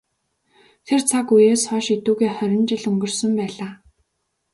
Тэр цаг үеэс хойш эдүгээ хорин жил өнгөрсөн байлаа.